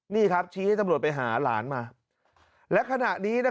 นี่ครับชี้ให้ตำรวจไปหาหลานมาและขณะนี้